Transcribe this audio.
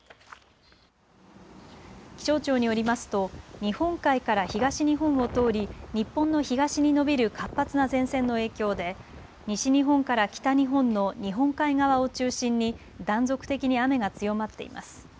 気象庁によりますと日本海から東日本を通り日本の東に延びる活発な前線の影響で西日本から北日本の日本海側を中心に断続的に雨が強まっています。